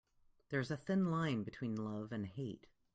There is a thin line between love and hate.